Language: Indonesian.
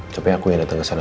tapi aku yang dateng kesana